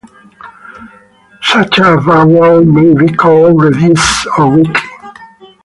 Such a vowel may be called "reduced" or "weak".